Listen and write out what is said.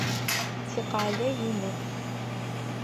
Тикъалэ инэп.